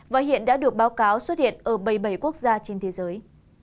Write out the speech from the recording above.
và hiện đã được báo cáo xuất hiện ở bảy mươi bảy quốc gia trên thế giới